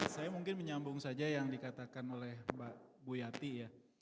saya mungkin menyambung saja yang dikatakan oleh mbak buyati ya